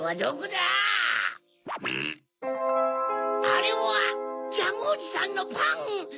あれはジャムおじさんのパン！